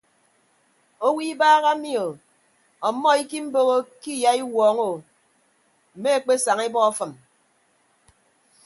Owo ibaha mi o ọmmọ ikiimboho ke iyaiwuọñọ o mme ekpesaña ebọ afịm.